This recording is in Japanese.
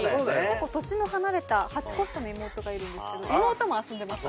年の離れた８個下の妹がいるんですけど妹も遊んでました。